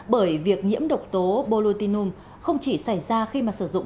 bởi việc nhiễm độc tố botutinum không chỉ xảy ra khi mà sử dụng